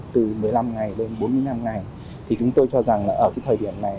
từ một mươi năm ngày lên bốn mươi năm ngày thì chúng tôi cho rằng là ở cái thời điểm này